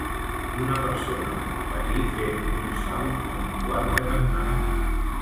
Una persona amb monopatí fent un salt en un quart de canonada.